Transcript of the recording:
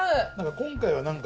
今回は何か。